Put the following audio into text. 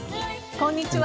こんにちは。